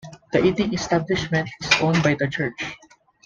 The eating establishment is owned by the church.